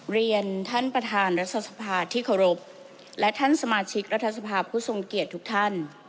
เรียนท่านประธานรัฐสภาที่เคารพและท่านสมาชิกรัฐสภาพผู้ทรงเกียรติทุกท่าน